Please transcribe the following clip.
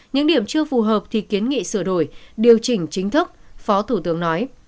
những điểm chưa phù hợp thì kiến nghị sửa đổi điều chỉnh chính thức phó thủ tướng nói